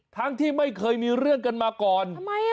ที่ไม่เคยมีเรื่องกันมาก่อน